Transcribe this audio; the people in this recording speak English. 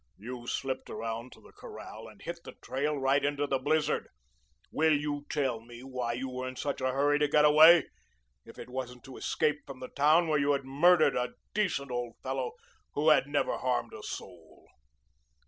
You slipped around to the corral and hit the trail right into the blizzard. Will you tell me why you were in such a hurry to get away, if it wasn't to escape from the town where you had murdered a decent old fellow who never had harmed a soul?"